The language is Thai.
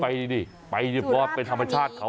ดิไปเพราะว่าเป็นธรรมชาติเขา